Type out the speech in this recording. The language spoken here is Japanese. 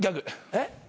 えっ？